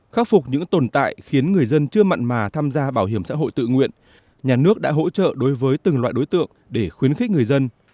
khắc phục những tồn tại khiến người dân chưa mặn mà tham gia bảo hiểm xã hội tự nguyện nhà nước đã hỗ trợ đối với từng loại đối tượng để khuyến khích người dân